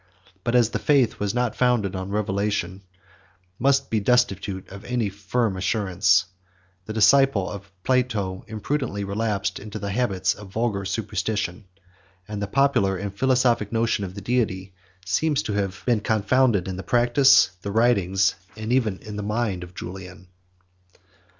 But as the faith, which is not founded on revelation, must remain destitute of any firm assurance, the disciple of Plato imprudently relapsed into the habits of vulgar superstition; and the popular and philosophic notion of the Deity seems to have been confounded in the practice, the writings, and even in the mind of Julian.